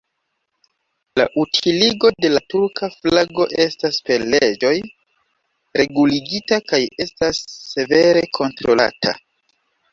La utiligo de la turka flago estas per leĝoj reguligita kaj estas severe kontrolata.